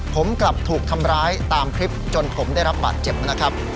ผมกลับถูกทำร้ายตามคลิปจนผมได้รับบาดเจ็บนะครับ